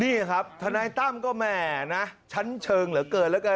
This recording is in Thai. นี่ครับทนายตั้มก็แหม่นะชั้นเชิงเหลือเกินแล้วกัน